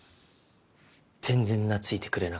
全然懐いてくれなかった。